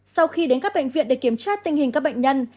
sau khi đến các bệnh viện để kiểm tra tình hình các bệnh nhân